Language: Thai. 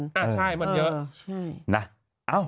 ใช่มันเยอะนะ